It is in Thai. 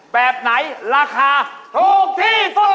แปรง๓เป็นอะไร